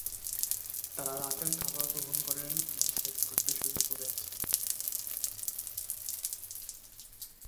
তারা রাতের খাবার গ্রহণ করেন এবং সেক্স করতে শুরু করেছে।